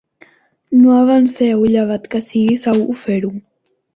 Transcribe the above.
No avanceu llevat que sigui segur fer-ho.